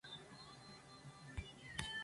Es considerado el padre de la arqueología peruana.